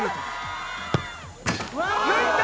抜いた！